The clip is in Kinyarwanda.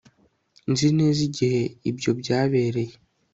Nzi neza igihe ibyo byabereye